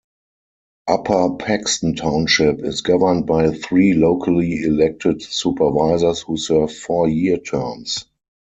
Upper Paxton Township is governed by three locally elected supervisors who serve four-year terms.